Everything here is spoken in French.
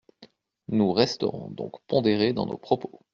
Nous resterons donc pondérés dans nos propos.